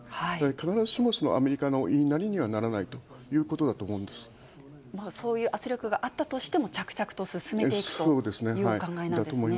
必ずしもアメリカの言いなりにはならないということだと思うんでそういう圧力があったとしても、着々と進めていくというお考えなんですね。